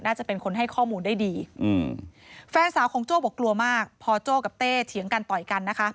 น่าจะเป็นคนให้ข้อมูลได้ดีอืมแฟนสาวของโจ้บอกกลัวมากพอโจ้กับเต้เถียงกันต่อยกันนะคะ